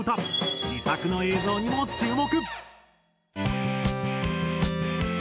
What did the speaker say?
自作の映像にも注目。